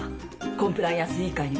コンプライアンス委員会にも。